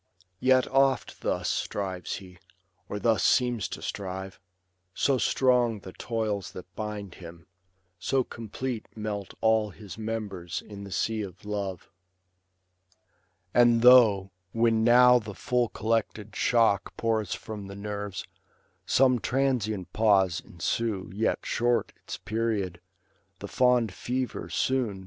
Yet oft thus strives he, or thus seems to strive ; So strong the toils that bind him ; so complete Melt all his members in the sea of love. And though, when now the full collected shock Pours from the nerves, some transient pause ensue. Yet short its period ; the fond fever soon.